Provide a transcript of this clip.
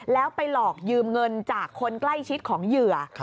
แล้วไปหลอกยืมเงินจากคนใกล้ชิดของเหยื่อ